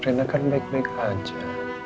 karena kan baik baik aja